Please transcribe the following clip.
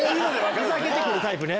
ふざけてくるタイプね。